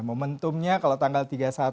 momentumnya kalau tanggal tiga puluh satu